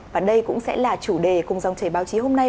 và đây cũng sẽ là chủ đề cùng dòng chảy báo chí hôm nay